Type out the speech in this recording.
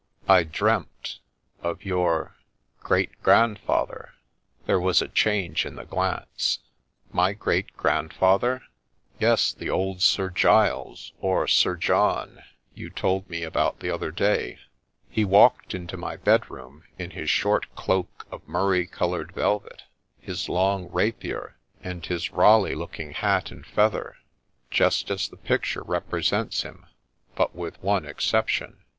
' I dreamt — of your great grandfather !' There was a change in the glance —' My great grandfather T '' Yes, the old" Sir Giles, or Sir John, you told me about the other day : he walked into my bedroom in his short cloak of murrey coloured velvet, his long rapier, and his Raleigh looking hat and feather, just as the picture represents him ; but with one exception.'